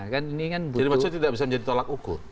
jadi maksudnya tidak bisa menjadi tolak hukum